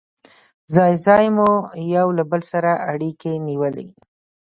ځای ځای مو یو له بل سره اړيکې نیولې.